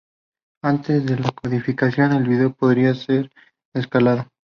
Antes de la codificación, el vídeo podría ser escalado.